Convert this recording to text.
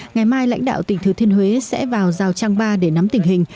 ngày mai lãnh đạo tỉnh thừa thiên huế sẽ vào rào trang ba để nắm tình hình